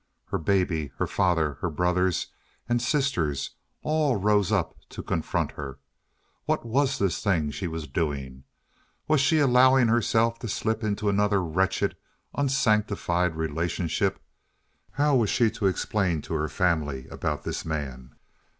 Her baby, her father, her brothers, and sisters all rose up to confront her. What was this thing that she was doing? Was she allowing herself to slip into another wretched, unsanctified relationship? How was she to explain to her family about this man?